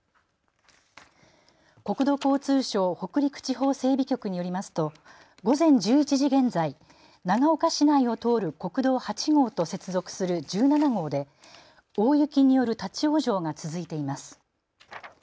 国土交通省北陸地方整備局によりますと午前１１時現在、長岡市内を通る国道８号と接続する１７号で大雪による立往生が続いています。